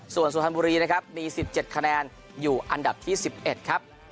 ส่วนสุพรรณบุรีนะครับมี๑๗คะแนนอยู่อันดับที่๑๑ครับ